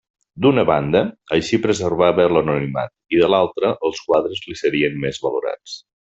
D'una banda, així preservava l'anonimat i, de l'altra, els quadres li serien més valorats.